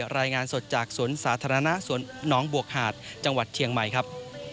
รายงานสดจากสวนสาธารณะสวนน้องบวกหาดจังหวัดเชียงใหม่ครับ